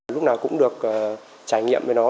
lúc nào cũng được trải nghiệm về nó